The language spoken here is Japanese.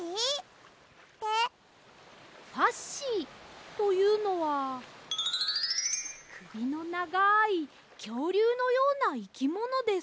ファッシーというのはくびのながいきょうりゅうのようないきものです。